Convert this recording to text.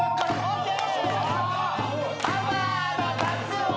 ＯＫ！